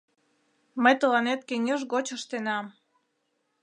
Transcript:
Мый тыланет кеҥеж гоч ыштенам.